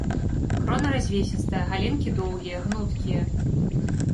Крона развесістая, галінкі доўгія, гнуткія.